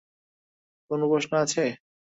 কোনো প্রশ্ন আছে?